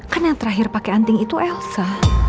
kan yang terakhir pakai anting itu elsa